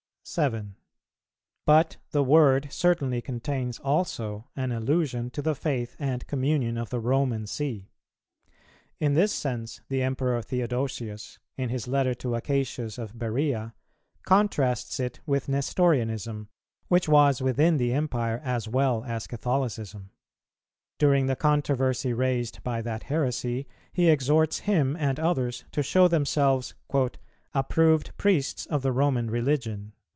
7. But the word certainly contains also an allusion to the faith and communion of the Roman See. In this sense the Emperor Theodosius, in his letter to Acacius of Berœa, contrasts it with Nestorianism, which was within the Empire as well as Catholicism; during the controversy raised by that heresy, he exhorts him and others to show themselves "approved priests of the Roman religion."